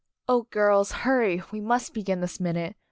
"Oh, girls, hurry, we must begin this minute!